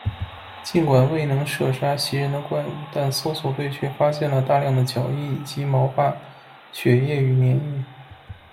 尽管未能射杀袭人的怪物，但搜索队却发现了大量的脚印以及毛发、血液与黏液。